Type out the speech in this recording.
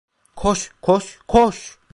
Koş, koş, koş!